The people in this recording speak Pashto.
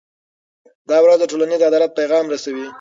دا ورځ د ټولنیز عدالت پیغام رسوي.